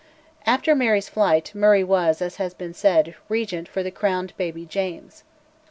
After Mary's flight, Murray was, as has been said, Regent for the crowned baby James.